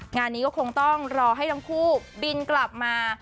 งานนี้ก็คงต้องรอให้ทั้งคู่บินกลับมา